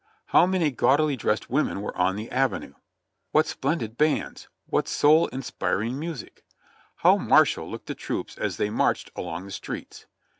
How many gaudily dressed women were on the avenue! What splendid bands ! What soul inspiring music ! How martial looked the troops as they marched along the streets!